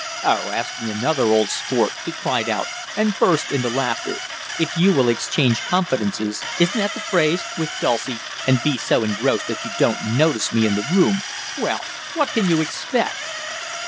"Oh, ask me another, old sport!" he cried out, and burst into laughter. "If you will 'exchange confidences' isn't that the phrase? with Dulcie, and be so engrossed that you don't notice me in the room well, what can you expect?"